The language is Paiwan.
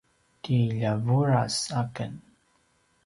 ti ljavuras aken